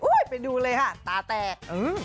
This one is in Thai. อุ๊ยไปดูเลยค่ะตาแตก